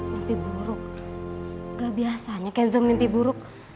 mimpi buruk gak biasanya kenzo mimpi buruk